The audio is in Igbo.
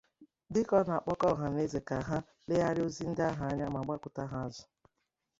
Dịka ọ na-akpọku ọhaneze ka ha leghàrá ozi ndị ahụ anya ma gbakụtakwa ha azụ